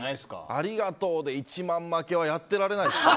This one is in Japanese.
ありがとうで１万負けはやってられないですよ。